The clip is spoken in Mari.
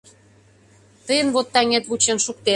Тыйын вот таҥет вучен шуктен...